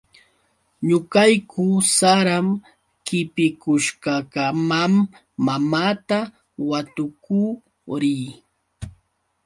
Ñuqayku saram qipikushqakamam mamaata watukuu rii.